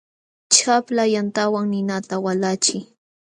Chapla yantawan ninata walachiy.